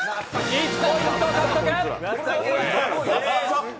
１ポイント獲得！